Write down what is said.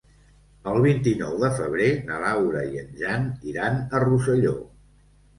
El vint-i-nou de febrer na Laura i en Jan iran a Rosselló.